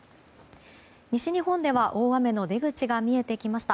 西日本では大雨の出口が見えてきました。